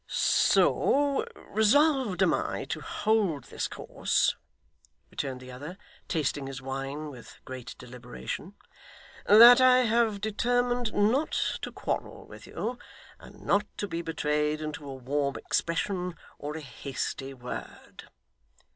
'So resolved am I to hold this course,' returned the other, tasting his wine with great deliberation; 'that I have determined not to quarrel with you, and not to be betrayed into a warm expression or a hasty word.